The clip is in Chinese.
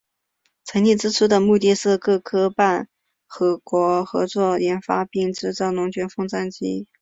成立之初的目的是各夥伴国合作研发并制造龙卷风战机。